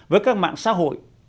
với các mạng xã hội